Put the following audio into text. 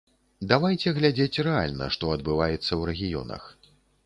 Давайце глядзець рэальна, што адбываецца ў рэгіёнах.